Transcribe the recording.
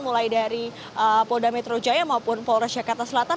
mulai dari polda metro jaya maupun polres jakarta selatan